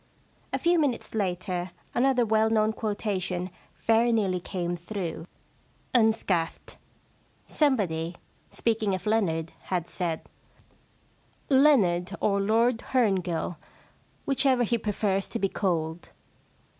A few minutes later another well known quotation very nearly came through unscathed. Somebody, speaking of Leonard, had said, * Leonard, or Lord Herngill, whichever he prefers to be called.'